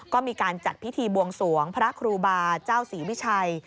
ก็มีการจัดพิธีบวงสวงพระครูบาเจ้าศรีวิชัย